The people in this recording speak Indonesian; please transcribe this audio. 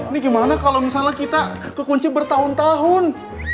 ini gimana kalau misalnya kita kekunci bertahun tahun